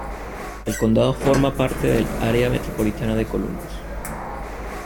El condado forma parte de área metropolitana de Columbus.